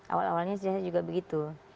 awal awalnya saya juga begitu